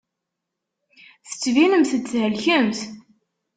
Tettbinemt-d thelkemt.